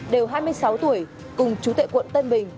đều hai mươi sáu tuổi cùng chú tệ quận tân bình